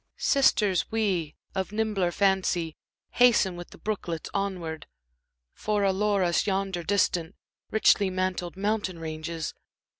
Sisters, we, of nimbler fancy, hasten with the brooklets onward ; For allure us yonder distant, richly mantled mountain ranges.